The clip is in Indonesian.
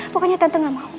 pokoknya tante gak mau